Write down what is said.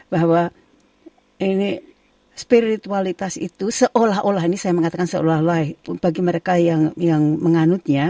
bahwa ini spiritualitas itu seolah olah ini saya mengatakan seolah olah bagi mereka yang menganutnya